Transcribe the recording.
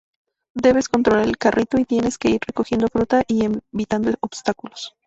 Debes controlar el carrito y tienes que ir recogiendo fruta y evitando obstáculos.